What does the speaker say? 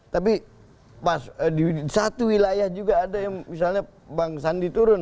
tapi pas di satu wilayah juga ada yang misalnya bang sandi turun